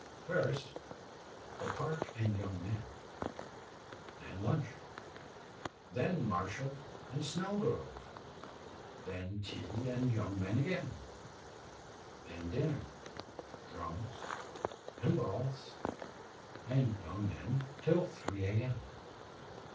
First, the Park and young men, then lunch, then Marshall and Snelgrove, then tea and young men again, then dinner, drums, and balls, and young men till three A.M.